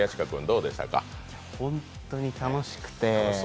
本当に楽しくて。